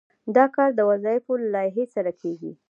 دا کار د وظایفو له لایحې سره کیږي.